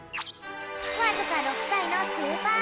わずか６さいのスーパーマジシャン